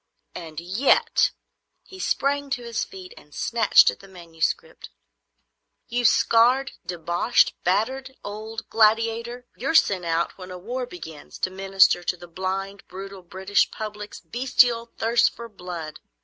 And yet,"—he sprang to his feet and snatched at the manuscript,—"you scarred, deboshed, battered old gladiator! you're sent out when a war begins, to minister to the blind, brutal, British public's bestial thirst for blood.